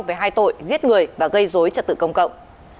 về hai tội giết người và gây dối trật tự công cộng